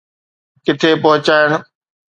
ڪٿي پهچائڻ.